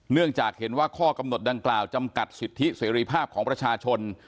เนื่องจากเห็นว่าข้อกำหนดดังกล่าวจำกัดสิทธิเสรีภาพของประชาชน